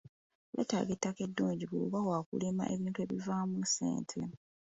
Weetaaga ettaka eddungi bw'oba waakulima ebintu ebinaavaamu ssente.